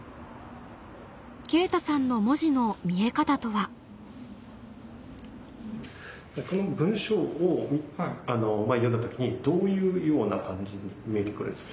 勁太さんの文字の見え方とはこの文章を読んだ時にどういうような感じに見えて来るんですか？